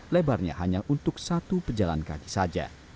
lebarnya hanya untuk satu pejalan kaki saja